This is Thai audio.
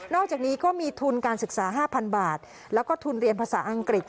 อกจากนี้ก็มีทุนการศึกษา๕๐๐บาทแล้วก็ทุนเรียนภาษาอังกฤษ